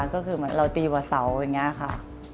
ก็คือเหมือนเราตีกว่าเสาอย่างนี้ค่ะ